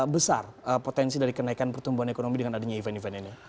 besar potensi dari kenaikan pertumbuhan ekonomi dengan adanya event event ini